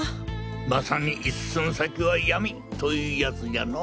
まさに一寸先は闇というやつじゃの。